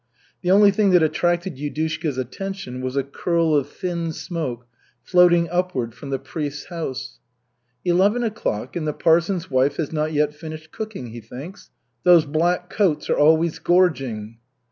The only thing that attracted Yudushka's attention was a curl of thin smoke floating upward from the priest's house. "Eleven o'clock, and the parson's wife has not yet finished cooking," he thinks. "Those black coats are always gorging."